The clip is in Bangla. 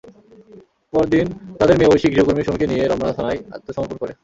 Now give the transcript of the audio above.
পরদিন তাঁদের মেয়ে ঐশী গৃহকর্মী সুমিকে নিয়ে রমনা থানায় আত্মসমর্পণ করে।